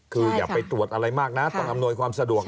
คืออย่าไปตรวจอะไรมากนะต้องอำนวยความสะดวก